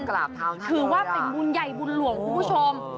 คือว่าเป็นบุญใหญ่บุญหลวงคุณผู้ชม